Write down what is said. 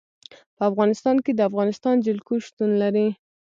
په افغانستان کې د افغانستان جلکو شتون لري.